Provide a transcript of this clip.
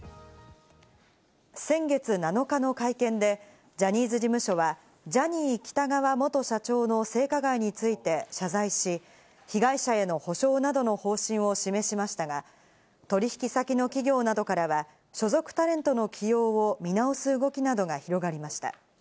先月７日の会見でジャニーズ事務所は、ジャニー喜多川元社長の性加害について謝罪し、被害者への補償などの方針を示しましたが、取引先の企業などからは所属タレントの起用を見直す動きなどが広がりました。